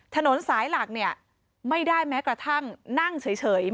ถนนสายหลักเนี่ยไม่ได้แม้กระทั่งนั่งเฉย